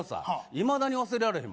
いまだに忘れられへん